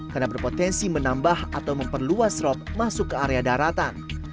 karena berpotensi menambah atau memperluas rop masuk ke area daratan